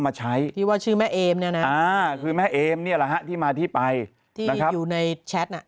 มาใช้ที่ว่าชื่อแม่เอมเนี่ยนะคือแม่เอมเนี่ยแหละฮะที่มาที่ไปนะครับอยู่ในแชทน่ะ